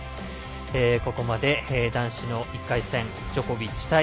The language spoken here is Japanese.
ここまで、男子の１回戦ジョコビッチ対